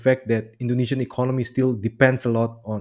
faktanya ekonomi indonesia masih banyak bergantung